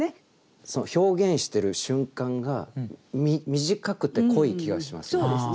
その表現している瞬間が短くて濃い気がします。